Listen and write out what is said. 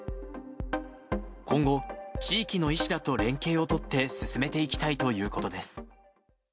今後、地域の医師らと連携を取って進めていきたいということです。